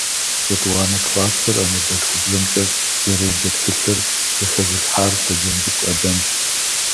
Етӏуанэ классыр анэдэлъхубзэмкӏэ зэреджэ тхылъыр зэхэзылъхьар Щоджэнцӏыкӏу Адэмщ.